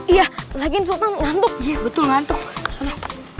iya lagiin suatu ngantuk betul ngantuk